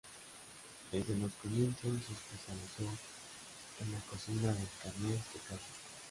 Desde los comienzos se especializó en la cocina de carnes de caza.